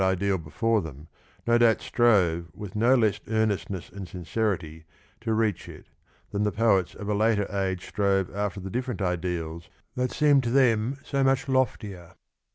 54 ideal before them no doubt strove with no less earnest ness and sincerity to reach it than the poets of a later age strove after the different ideals that seemed to them so much loftier.